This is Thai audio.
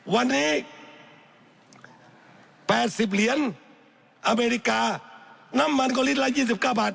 วันนี้แปดสิบเหรียญอเมริกาน้ำมันก็ลิตรละยี่สิบก้าบาท